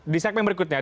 di segmen berikutnya